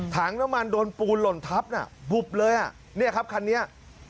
ถังน้ำมันโดนปูนหล่นทับน่ะบุบเลยอ่ะเนี่ยครับคันนี้